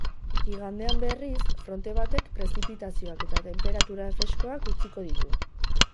Igandean, berriz, fronte batek prezipitazioak eta tenperatura freskoak utziko ditu.